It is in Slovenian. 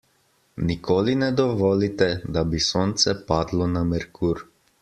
Nikoli ne dovolite, da bi sonce padlo na Merkur.